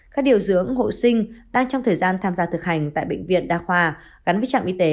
các điều dưỡng hộ sinh đang trong thời gian tham gia thực hành tại bệnh viện đa khoa gắn với trạm y tế